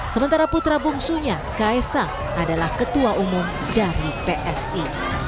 sementara putra bungsunya kaisang adalah ketua umum dari psi